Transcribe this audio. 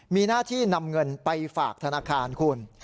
มีหน้าที่นำเงินไปฝากธนาคารคุณ